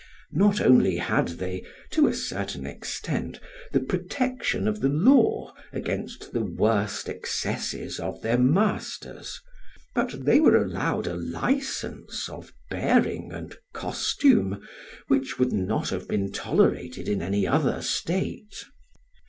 Not only had they, to a certain extent, the protection of the law against the worst excesses of their masters, but they were allowed a license of bearing and costume which would not have been tolerated in any other state.